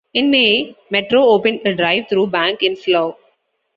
In May, Metro opened a drive-through bank in Slough.